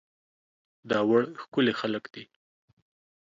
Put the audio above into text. داوړ ښکلي خلک دي